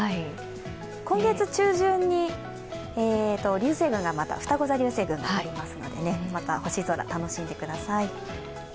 今月中旬にふたご座流星群が見えますので、また星空、楽しんでください。